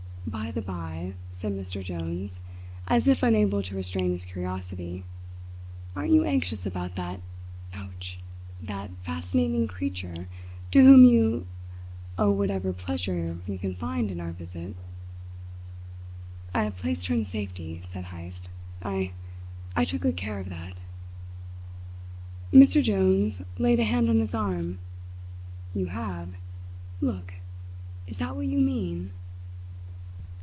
"By the by," said Mr. Jones, as if unable to restrain his curiosity, "aren't you anxious about that ouch! that fascinating creature to whom you owe whatever pleasure you can find in our visit?" "I have placed her in safety," said Heyst. "I I took good care of that." Mr Jones laid a hand on his arm. "You have? Look! is that what you mean?"